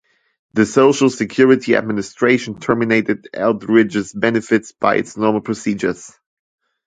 The Social Security Administration terminated Eldridge's benefits by its normal procedures.